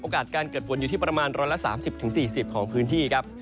การเกิดฝนอยู่ที่ประมาณ๑๓๐๔๐ของพื้นที่ครับ